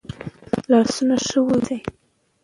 لاسونه ښه ومینځه.